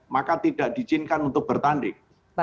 maka tidak diizinkan untuk bertanding